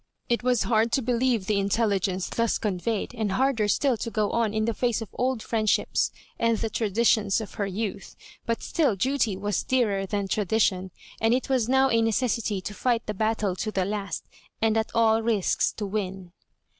It was hard to believe the intelligence thus conveyed, and harder still to go on in the face of old friendships, and the traditions of her youth ; but still duty was dearer than tradition, and it was now a necessity to fight the battle to the last, and at aU risks to win.